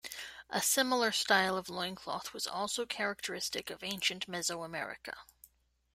A similar style of loincloth was also characteristic of ancient Meso-America.